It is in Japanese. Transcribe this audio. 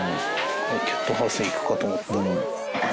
キャットハウス行くかと思ったのに。